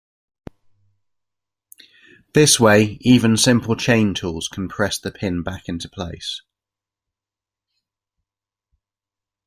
This way, even simple chain tools can press the pin back into place.